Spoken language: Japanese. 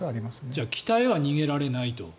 じゃあ北へは逃げられないと。